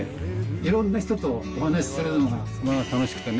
いろんな人とお話するのが楽しくてね。